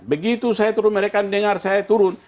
begitu saya turun mereka dengar saya turun